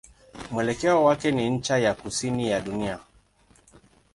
Mwelekeo wake ni ncha ya kusini ya dunia.